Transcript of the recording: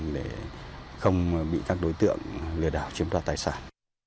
để không bị các đối tượng lừa đảo chiếm đoạt tài sản